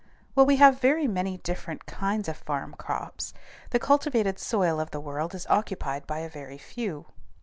While we have many different kinds of farm crops, the cultivated soil of the world is occupied by a very few.